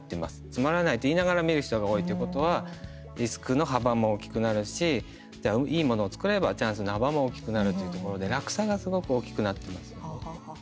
つまらないと言いながら見る人が多いということはリスクの幅も大きくなるしいいものを作ればチャンスの幅も大きくなるというところで落差がすごく大きくなってますよね。